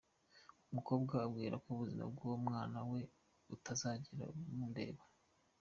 Umukobwa ambwira ko ubuzima bw’uwo mwana we butazigera bundeba.